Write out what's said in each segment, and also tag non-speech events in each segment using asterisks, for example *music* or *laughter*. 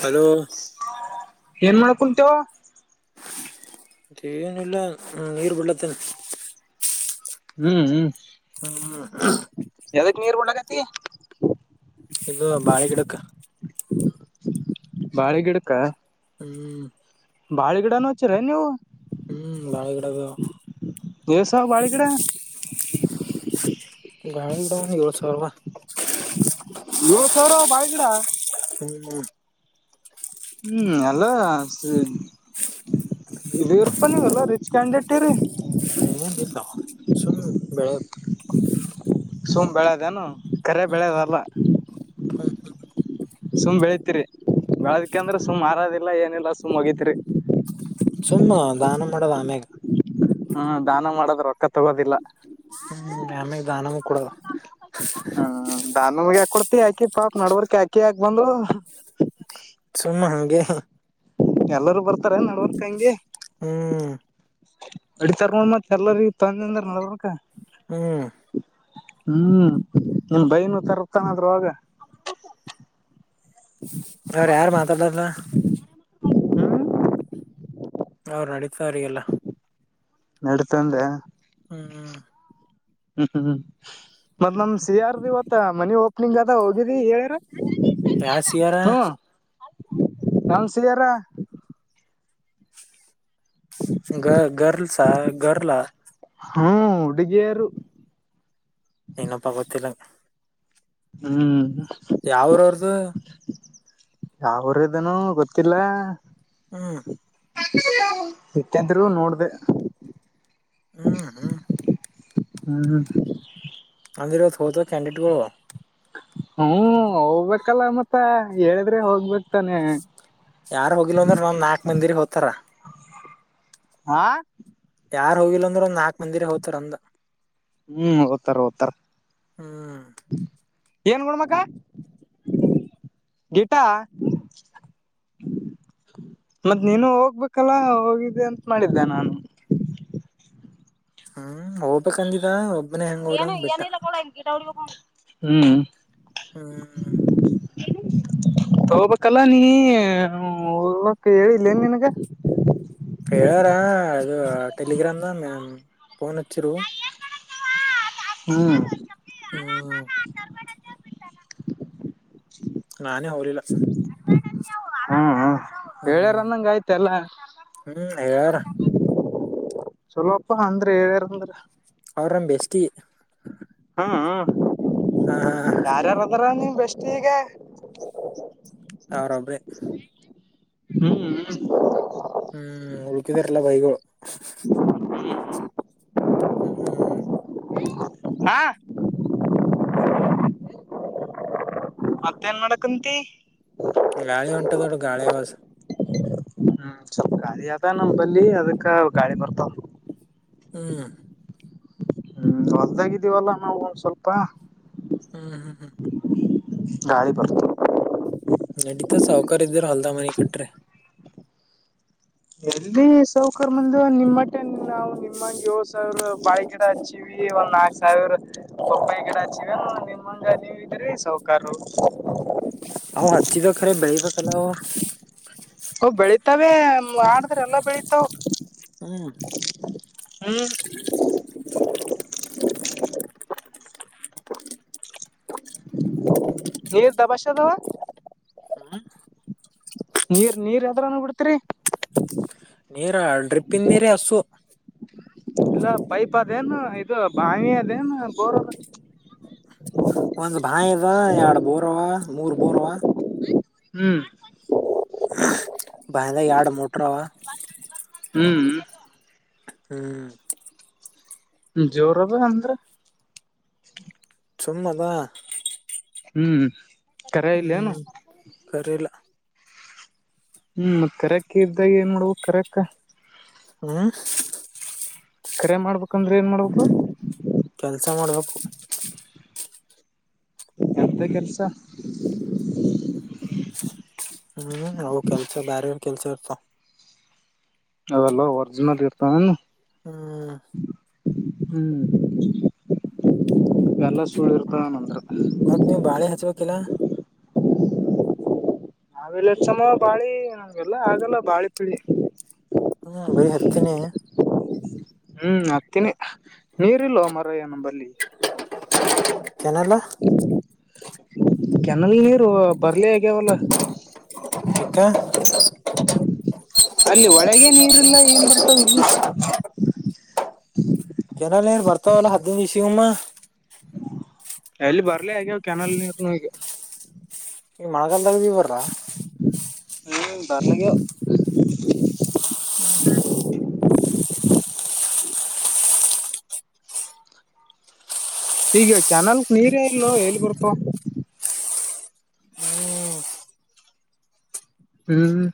Hello ಏನ್ ಮಾಡಕುಂತ್ಯೋ ಮತ್ತೇನಿಲ್ಲ ಆ ನೀರ್ ಬಿಡ್ಲತ್ತಿನ್. ಹ್ಮ್ ಹ್ಮ್ ಹ್ಮ್ ಹ್ ಎದಕ್ ನೀರ್ ಬಿಡ್ಲಕತ್ತಿ ಇದು ಬಾಳೆ ಗಿಡಕ್ಕ ಬಾಳಿ ಗಿಡಕ್ಕ ಹ್ಮ್ ಬಾಳ ಗಿಡನು ಹಚ್ಚಿರೇನ್ ನೀವು. ಹ್ಮ್ ಬಾಳೆ ಗಿಡ ಅದಾವು ಎಸಾ ಬಾಳೆಗಿಡ ಬಾಳೆ ಗಿಡ ಏಳ್ ಸಾವಿರ ಯೋಳ್ ಸಾವ್ರ ಬಾಳ್ ಗಿಡ. *unintelligible* ಹ್ಮ್ ಹಲೋ ಸಿ ಇ ರೂಪಾಯಿ ನೀವಲ್ಲ ರಿಚ್ ಕ್ಯಾಂಡಿಟ್ ರೀ ಹ ಏನ್ ಇಿಲ್ಲ ಸುಮ್ ಬೆಳೆ ಸುಮ್ ಬೆಳೆದೇಏನು ಕರೆ ಬೆಳೆದಲ್ಲ ಹ್ಮ ಹ ಸುಮ್ ಬೆಳತಿರಿ ಬೆಳದಕ ಅಂದ್ರೆ ಸುಮ್ ಮಾರೋದಿಲ್ಲ ಏನಿಲ್ಲ ಸುಮ್ ಹೋಗತಿರಿ ಸುಮ್ಮ ದಾನ ಮಾಡೋದು ಆಮ್ಯಾಗ ಹ್ಮ ದಾನ ಮಾಡದ್ ರೊಕ್ಕ ತಗೋದಿಲ್ಲ ಹ್ಮ್ ಆಮ್ಯಾಗ ದಾನನು ಕೊಡದ ಹ್ಮ್ ದಾನಗೆ ಹಾಡ್ ಹಿ ಹಾಕಿ ಪಾಪ ನಡವರ್ಕ ಆಾಕಿ ಹಾಕ್ ಬಂದ್ ಸುಮ್ಮ ಹಾಗಂಗೆ ಎಲ್ಲರೂ ಬರ್ತಾರೆ ನಡವರ್ಕ ಹಂಗೆ ಹ್ಮ್ ಅಡಿತರ್ಗ ಮತ್ ಎಲ್ಲ ತಂದ ಅಂದ್ರ ನಕ ಹ್ಮ್ ಹ್ಮ್ ನನ್ ಬೈನುೂ ತರ್ತಾನ ಆದ್ೂ ಆಾಗ ಅವ್ರ ಯಾರು ಮಾತಾಡಾರಲ್ಲ ಹ್ಮ ಅವ್ ನಡೀತವ್ರ ಎಲ್ಲ ನಡ್ತಂದೆ ಹ್ಮ್ ಹ್ಮ್ ಹ್ಮ್್ಮ್ ಮತ್ ನಮ್ ಸಿ ಯಾರ್ದ ಇವತ್ತ ಮನಿ ಓಪನಿಂಗ್ ಅದ ಹೋಗಿದಿ ಹೇಳಾರ ರಾಸಿಯಾರ ನನ್ಸ ಯಾರ ಗ ಗರ್ಲ್ಸ ಗರ್ಲ ಹ್ಮ್ ಹುಡುಗಿಯಾರ ಇ ನಪ್ಪಾ ಕೊತಿಲ್ಲ ಹ್ಮ್ ಯಾವ್ರ ಅವ್ರದು ಯಾವರ ಇದನೂ ಗೊತ್ತಿಲ್ಲ ಹ್ಮ ನಿತ್ತಿದ್ರು ನೋಡ್ದ ಹ್ಮ್ ಹ್ಮ್ ಹ್ಮ ಹ್ಮ ಅಂದಿರವ ಹೋದ ಕ್ಯಾಂಡಿಡೇಟ್ಗಳು ಹ್ಮ ಹೋಗ್ಬೇಕಲ್ಲ ಮತ್ತ ಹೇಳಿದ್ರೆ ಹೋಗ್ಬೇಕಕ್ತಾನೆ ಯಾರ್ ಹೋಗಿಲ್ಲ ಅಂದ್ರೆ ನಾ ನಾಕಕ್ ಮಂದಿರಿಗೆ ಹೋಗ್ತಾರ ಆಾ ಯಾರ್ ಹೋಗಿಲ್ಲ ಅಂದ್ರರುಂದ ನಾಕಕ್ ಮಂದಿರ ಹೋಗ್ತಾರ ಅಂದ ಹ್ಮ್ ಓದ್ತಾರ ಓದ್ತಾರ ಹ್ಮ್ ಏನ್ ಗಡಮಕ್ಕ ಗಟಾ ಮತ್ತ ನೀನು ಹೋಗ್ಬೇಕಲ್ಲ ಹೋಗಿದ್ದೆ ಅಂತ ಮಾಡಿದ್ದೆ ನಾನು ಹ್ಮ್ ಹೋಗ್ಬೇಕಕ್ಂದಿದ ಏನು ಏನ್ ಇಿಲ್ಲ ಕೋಡ್ ಗಿಟ ಅವಿಗೆ ಹೋಗ ಹ್ಮ ಹ್ಮ್ ತಗೋಬೇಕಲ್ಲ ನೀಲ್ಲಕ ಹೇಳಿಲ್ಲೇನ್ ನನ್ಗ ಹೇಳಾರಾ ಅದು ಟೆಲಿಗ್ರಾಾಮ್ ದ ಮ ಫೋನ್ ಒಚ್ಚಿರು ಹ್ಮ್ *inaudible* ಹ್ಮ ನಾನೇ ಹೋಗಲಿಲ್ಲ ಹ್ಮ ಹೇಳ್ಯಾರ ಹ್ಮ್ ಅನ್ನಂಗ ಆಯ್ತ ಎಲ್ಲ ಹ್ಮ್ ಹೇಳ್ಯಾರ ಚಲೋಪ್ಪ ಅಂದ್ರೆ ಹೇಳ್ಯಾರ ಅಂದ್ರ ಅವ್ರ ನಮ್ಮ ಬೆಸ ಹ್ಮ ಹಾ ಹಾ ಯಾರ್ಯಾರದಾರ ನಿಮ ಬೆಷ್ಟ ಈಗ ಅವ್ರೊಬ್ರೇ ಹ್ಮ್ *inaudible* ಹ್ಮ್ ಉಳಕಿದರಲ್ಲ ಬೈಗೋ ಹ್ಮ್ ಹಾ ಮತ್ತೇನ್ ಮಾಡಡಕ್ಂತ ಗಾಳಿ ಹೊಂಟದೋಡು ಗಾಳಿ ಆವಾಸ ಹ್ಮ್ ಸ್ವಲ್ಪ ಗಾಳಿ ಆತ ನಮ ಬಲ್ಲಿ ಅದಕ್ಕ ಗಾಳಿ ಬರ್ತಾವ ಹ್ಮ್ ಹ್ಮ್ ಹೊದ್ದಾಗಿದ್ದೀವಲ್ಲ ನಾವವು ಒಂದ್ ಸ್ವಲ್ಪ ಹ್ಮ ಹಾ ಹಾ ಗಾಳಿ ಪ ನಡೀತಾ ಸಾವಕಕಾರ ಇದರು ಹೊಲ್ದ ಮನಿ ಕಟ್ರೆ ಎಲ್ಲಿ ಸೌಕರ್ಮಂದು ನಿಮ್ಮ ಮ ನಾವು ನಿಮ್ಮಂಗಗೆ ಏಳ್ ಸಾವಿರ ಬಾಳೆ ಗಿಡ ಹಚ್ಚಿವವಿ ಒಂದ್ ಹಾಕ್ ಸಾವಿರ ಬಪ್ಪಾಯಿ ಗಡಚಿವನು ನಿಮಂಗ ನೀವ್ರ ಸೌಕಾರು ಅವವು ಹಚ್ಚಿದ ಖರೆ ಬೆಳಿಬೇಕಲ್ಲವು ಹಓ ಬೆಳಿತಾವೇ ಆದ್ರ ಎಲ್ಲ ಬೆಳತಾವ ಹ್ಮ್ ಹ್ಮ್ ನೀರ್ ದಬಶ ಅದವಾ *inaudible* ಹ್ಮ್ ನೀರ್ ನೀರ್ ಯದ್ರನು ಬಿಡ್ತರಿ ನೀರ ಡ್ರಿಪ್ಪನ್ ನೀರ ಹಸು ಇಲ್ಲ ಪೈಪ್ ಅದೇನು ಇದು ಬಾವಿ ಅದೇನು ಗೋರ *inaudible* ಒಂದ್ ಬಾಯದ ಎರಡ್ ಬೋರ್ವ ಮೂರ್ ಬೋರ್ವ ಹ್ಮ್ ಬಾಯದ ಎಾರ್ಡು ಮೋಟರವಾ ಹ್ಮ್ ಹ್ಮ್ ಜೋರದ ಅಂದ್ರೆ ಸುಮ್ಮದಾ *unintelligible* ಹ್ಮ್ ಕರೆ ಇಲ್ಲೇನು ಹ್ಮ್ ಕರಿಲ್ಲ ಹ್ಮ್ ಮತ್ ಕರಕ್ಕಿ ಇದ್ದಾಗ ಏನ್ ಮಾಡಡುವು ಕರಕ್ಕ ಹಾ ಕರೆ ಮಾಡ್ಬೇಕಂದ್ರೆ ಏನ್ ಮಾಡ್ಬೇಕು ಕೆಲ್ಸ ಮಾಡ್ಬೇಕು ಗದ್ದೆ ಕೆಲಸ ಹ್ಮ್ ಅವ ಕೆಲ್ಸ ಬೇ ಕೆಲ್ಸ ಇರ್ತಾವ ಅವೆಲ್ಲಾ ಒರ್ಜಿನಲ್ ಇರ್ತಾವೆನು ಹ್ಮ್ ಹ್ಮ್ ಎಲ್ಲಾ ಸುಳ ಇರ್ತಾವ ಅಂದ್ರ ಮತ್ ನೀವ್ ಬಾಳೆ ಹಚ್ಬೇಕಿಲ್ಲಾ *inaudible* ನಾವೆಲ್ಲ ಹಚ್ಚುಮ ಬಾಳಿ ನಮಗೆಲ್ಲ ಆಗಲ್ಲ ಬಾಳಿ ಪೀಳಿ ಹ್ಮ್ ಬರಿ ಹತೀನಿ ಹ್ಮ್ ಹತ್ತಿನಿ ನೀರ್ಲ್ವ ಮಾರಾಯ ನಂಬಲ್ಲಿ ಕೆನಾಲ್ ಕೆನಾಲ್ ನೀರು ಬರ್ಲಿ ಆಗ್ಯಾವಲ್ಲ ಅಕ್ಕ ಅಲ್ಲಿ ಹೋಳಾಗೆ ನೀರ್ಲ್ಲ ಏನ್ ಬರ್ತಾವ್ ಇಲ್ಲಿ ಕೆನಾಲ್ ನೀರು ಬರ್ತಾವಲ್ಲಾ ಹದಿನೈದು ದಿವಸಿಗೋಮ್ಮ ಎಲ್ಲೆ ಬರ್ಲ ಆಗ್ಯಾವ ಕೆನಾಲ್ ನೀರ್ನು ಈಗ ಈ ಮಳೆಗಾಲದಾಗಬೀ ಬರ್ರಾಲಾ ಹ ಬರಲ ಆಗ್ಯಾವ *inaudible* ಈಗ ಕೆನಾಲ್ ನೀರೇ ಇಲೋ ಎಲ್ಲಿ ಬರ್ತಾವ ಹ್ಮ್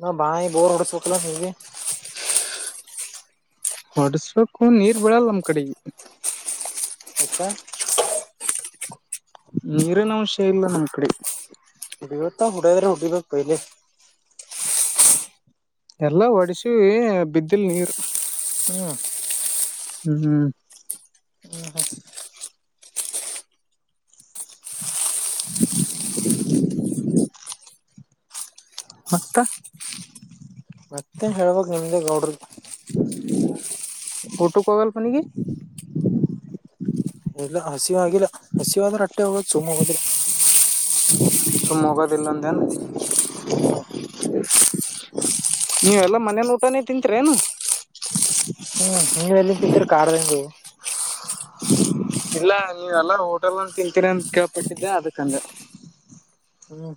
ನ ಭಾಯಿ, ಬೋರ್ ಹೊಡೆಸ ಬೇಕಲ್ಲ ನೀ ಹೊಡ್ಸ್ ಬೇಕು ನೀರ್ ಬಿಳಲ್ಲ ನಮ್ ಕಡಿಗಿ ಎಕ್ ನೀರನ ಅಂಶಯ ಇಲ್ಲ ನಮ್ಮ್ ಕಡಿ ತ್ತ ಹೊಡೆದ್ರೆ ಹೋಡಿಬೇಕ್ ಪಹಿಲೇ ಎಲ್ಲಾ ಹೋಡಿಸಿವಿ ಬಿದ್ದಲ್ ನೀರ ಹ್ಮ್ ಹ್ಮ್ ಹ್ಮ್ ಮತ್ತ ಮತ್ತೇ ಎನ್ ಹೇಳ್ಬೇಕು ನಿಮ್ಮದೇ ಗೌಡ್ರದ ಊಟಕ್ ಹೋಗಲ್ಲ ಮನೆಗೆ ಇಲ್ಲ ಹಸಿವ ಆಗಲ್ಲ ಹಸಿವ ಆದ್ರೆ ಅಟ್ಟೆ ಹೋಗೋದು ಸುಮ್ ಹೋಗೋದಿಲ್ಲ ಸುಮ್ ಹೋಗುವುದಿಲ್ಲ ಅಂದೇ ಹ್ಮ ನೀವೆ ಎಲ್ಲ ಮನೇನ ಊಟನೇ ತಿಂತಿರೇನು ಹ್ಮ್ ಹ್ ಎಲ್ಲಿಂತಿದ್ರರು ಕಾಡ್ದಂಗ ಇಲ್ಲ ನೀವ ಎಲ್ಲಾರ ಹೋಟೆಲ್ನ್ ತಿಂತೀರ ಅಂತ ಕೇಳ್ಪಟ್ಟಿದ್ದೆ ಅದಕ್ಕಂದ ಹ್ಮ್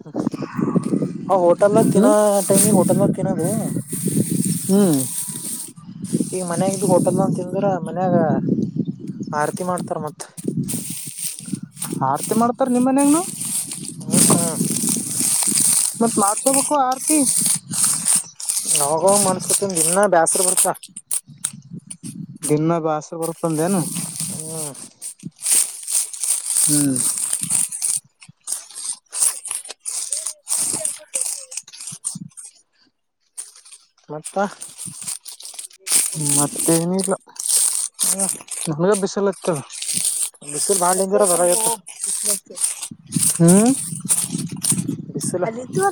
ಹ ಹೋಟೆಲ್ ತಿನ್ನೋ ಹ್ಮ್ ಟೈಮಿಗೆ ಹೋಟೆಲದಾಗ ತಿನ್ನೂದು ಹ್ಮ್ ಈಗ ಮನ್ಯಾಗ್ದು ಹೋಟೆಲ್ ಅನ್ ತಿಂದ್ರ ಮನ್ಯಾಗ ಆರತಿ ಮಾಡ್ತಾರ ಮತ್ತ ಆರತಿ ಮಾಡ್ತಾರ ನಿಮ್ಮ ಮನ್ಯಾಗನು ಹ್ಮ ಹ ಮತ್ತ ಮಾಡಸಕೋಬೇಕು ಆರ್ತಿ ಆವಾಗಾವಾಗ ಮಾಡಿಸ್ಕೋತನಪ್ಪ ದಿನ್ನ ಬ್ಯಾಸ್ರ ಬರ್ತಾಪಾ ದಿನ ಬಾಸ್ರ ಬರ್ತಂದ ಅದೇ ಏನು ಹ್ಮ್ ಹ್ಮ್ ಕೂಡ್ತ ಕೊಟ್ಟೇವಿ ಹಪ್ಪ ಮತ್ತೇನ ಇಲ್ಲ ಹ್ಮ ನಮಗೆ ಬಿಸಲ ಆಗ್ತದೆ ಬಿಸಿರ್ ಬಾಳಿಂದಿರ ಬರಾಗತ್ತ ಹ್ಮ್ ಬಿಸಿಲ ಅಲ್ಲಿ ತು ಅ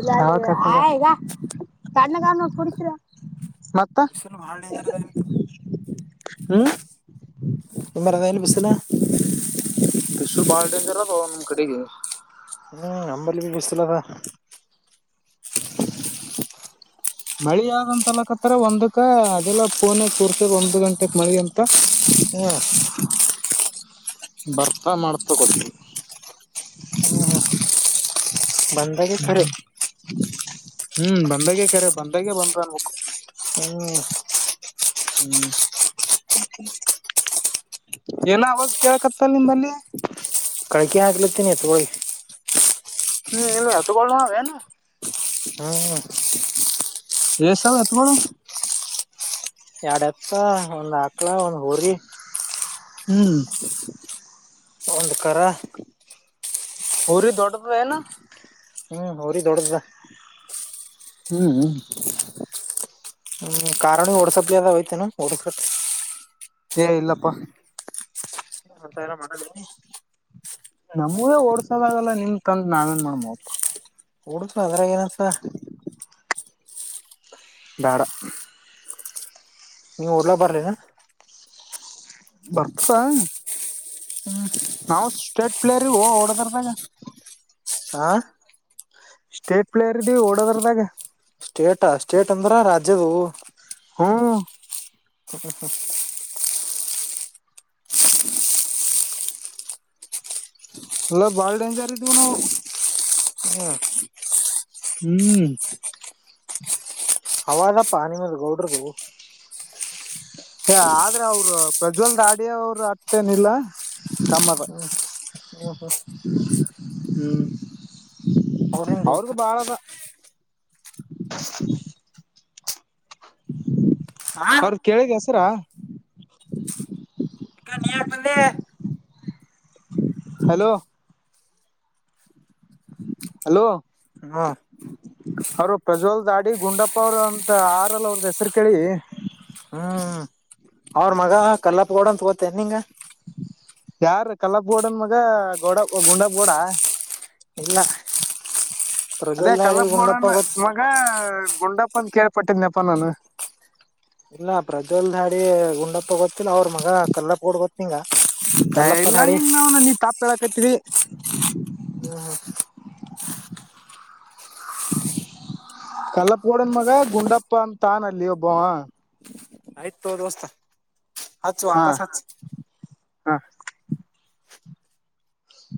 ಇಲ್ಲಗಾ ಕಣ್ಣಗ ಕುಡತೀರ ಮತ್ತ ಭಾರ ಹ್ಮ್ ಈ ಮರ ಏನು ಬಿಸಸಲ ಬಸರು ಬಾಳ್ ಡೇಂಜರ್ ಅದು ನಮ್ ಕಡೆಗೆ ಹ್ಮ್ ಅಂಬಲ್ಲಿ ಬಿ ಬಿಸತಲ್ಲದ ಮಳಿ ಯಾವಂತ ಅಲಕತ್ತತ್ರ ಒಂದಕ್ಕ ಅದೆಲ್ಲ ಪೂನಾಗ ತೋರ್ಸದ ಒಂದ್ ಗಂಟೆಕ್ ಮಳಿ ಅಂತ ಹ್ಮ ಬರ್ತಾ ಮಾಡ್ತಗೋತವಿ ಹ ಬಂದ ಹ್ಮ್ ಹ್ಮ್ ಬಂದಾಗ ಕರೆ ಬಂದಾಗ ಬಂದ ಅನ್ು ಹ್ಮ್ ಹ್ಮ್ ಏನೋ ಅವಾಜ ಕೇಳಕತ್ತಲ್ ನಿಂಬಲ್ಲಿ ಕಳಿಕೆ ಆಗ್ಲತ್ತಿನಿ ಎತ್ಗಳಿ ಹ್ಮ್ ಇಲ್ಲ ಎತ್ಗ ನಾವೇನು ಹ್ಮ ಎಏ ಸವ ಎತ್ತ ಬಳ ಎರಡ್ ಹತ್ತ ಒಂದ್ ಆಕ್ಳ ಒಂದ್ ಹೋರಿ ಹ್ಮ್ ಒಂದು ಕ ಊರಿ ದೊಡ್ಡದು ಏನು ಹ್ಮ್ ಅವ್ರ ದೊಡ್ಡದ್ದ ಹ್ಮ್್ಮ್ ಹ್ಮ್ ಕಾರಣ ಓಡ್ಸಪ್ಲಿ ಅದ ಐತೆನ ಓಡ್ಸ ಅ ಇಲ್ಲಪ್ಪಾ ಮಂತ ಎಲ್ಲ ಮಾಡದಿ ನಮಗೆೇ ಓಡ್ಸೋದಾಗಲ್ಲ ನಿಮ್ ತಂದ ನಾವೇನ್ ಮಾಡ್ಮಪ್ಪ ಹಡಿದರು ಅದ್ರಾಗ ಏನಂತ ಾಡ ನೀವು್ ಓಡ್ಲಾ ಬರ್ರಿ ಬರ್ತಾ ಹ್ಮ ನಾವು ಸ್ಟೇಟ್ ಪ್ಲೇರ್ ಓಡೋದರ್ದಾಗ ಹಾ ಸ್ಟೇಟ್ ಪ್ಲೇರ್ ಇದೀ ಓಡೋದ್ರದಾಗ ಸ್ಟೇಟಾ ಸ್ಟೇಟ್ ಅಂದ್ರ ರಾಜ್ಯದು ಹಾ ಹ ಹ ಅಲ್ಲ ಬಾಳ್ ಡೆೇಂಜರ್ ಇದುು ನವು ಹ್ಮ ಹ್ಮ್ ಹವದಪ್ಪಾನಿ ಮ ಗೌಡ್ರ ಬು ಹ ಆದ್ರೆ ಅವರು ಪ್ರಜ್ವಲ್ದ ಅಡಿಯ ಅವರು ಅಟ್ಟೇನ ಇಿಲ್ಲ ಕಮ್ಮದ ಹ ಹೋ ಹ್ಮ ಅವ್ರ ನಿನ್ ದೋಸ್ತ ಹಾ ಅವ್ರ ಕೇಳಿಗೆ ಹೆಸರಾ ನೀ ಯಾ ಬಂದೆ ಹಲೋ ಹಲೋ ಹ್ಮ್ ಅವರು ಪ್ರಜ್ವಲ್ದ ಅಾಡಿ ಗುಂಡಪ್ಪ ಅವರು ಅಂತ ಆರಲ್ಲ ಅವ್ರದ ಹೆಸರು ಕೇಳಿ ಹಾ ಅವ್ರ ಮಗ ಕಲ್ಲಾಪ್ಗೋಡ ಅಂತ ಗೋತ್ತೇನೆ ನಿಂಗ ಯಾರ ಕಲ್ಲಪ್ ಗೋಡನ್ ಮಗ ಗೋಡ ಗುಂಡಪ್ ಗೋಡ ಇಲ್ಲ ಪ್ರಜಲಾರಿ ಗಂಡಪ್ಪ ಈಗ ಗುಂಡಪ್ಪ ಅ ಕೇಳ್ಪಟ್ಟಿದ್ನಪ್ಪ ನಾನು ಇಲ್ಲ ಪ್ರಜೆಲ್ಾಡಿ ಗುಂಡಪ್ಪ ತಗೊತ್ತಿಲ್ಲ ಅವ್ರ ಮಗ ಕಲ್ಲ ಕ ಕೊಡ್ಬತ್ತ ಸಿಂಗ ಕಲ್ಲಪ್ಪಧಡಿ ಳಕತ್ತರಿ ಹ್ಮ ಹಾ ಕಲ್ಲ ಪಡನ್ ಮಗ ಗಂಡಪ್ಪ ಅಂತಂತಾನ ಅಲ್ಲಿ ಒಬ್ಬ ಆಯ್ತು ದೋಸ್ತ ಹಚ್ಚು ವಾಪಸ್ ಹಚ್ಚು ಹಾಂ